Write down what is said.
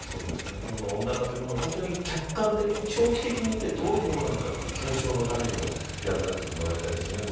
この温暖化というものを客観的に、長期的に見てどういうものなのかという検証のためにも役立ててもらいたいですね。